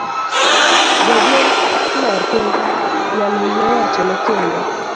Jaduong' lor piny, nyamin nowachone kendo.